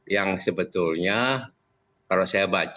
yang sebetulnya kalau saya baca